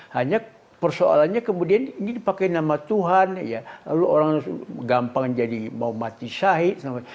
hanya persoalannya kemudian ini dipakai nama tuhan lalu orang gampang jadi mau mati syahid